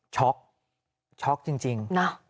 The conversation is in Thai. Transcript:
ช็อกช็อกจริง